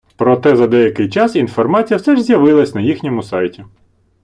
Проте за деякий час інформація все ж з’явилась на їхньому сайті.